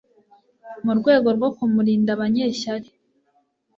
mu rwego rwo kumurinda abanyeshyari